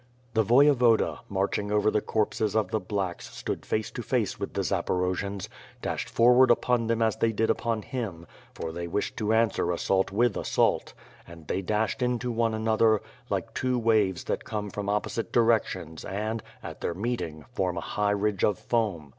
The Voyevoda, marching over the corpses of the ^^lacks" stood face to face with the Zaporojians; dashed forward upon them as they did upon him, for they wished to answer assault with assault; and they dashed into one another, like two waves that come from opposite directions and, at their mee1> ing, form a high ridge of foam.